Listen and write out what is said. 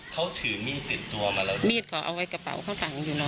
เขาถือมีดติดตัวมาแล้วนะมีดเขาเอาไว้กระเป๋าข้างหลังอยู่เนอ